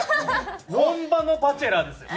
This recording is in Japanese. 本場のバチェラーですよ。